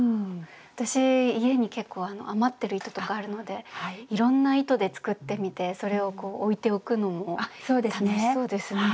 私家に結構余ってる糸とかあるのでいろんな糸で作ってみてそれを置いておくのも楽しそうですね。